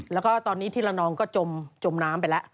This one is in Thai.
แล้วก็ตอนนี้ที่ละนองก็จมน้ำไปแล้ว